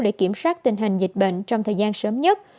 để kiểm soát tình hình dịch bệnh trong thời gian sớm nhất